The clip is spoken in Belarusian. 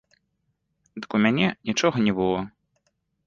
Дык у мяне нічога не было!